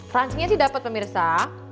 franchinya sih dapat pemirsa